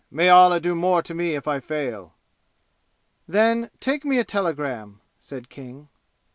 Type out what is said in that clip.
May Allah do more to me if I fail!" "Then, take me a telegram!" said King.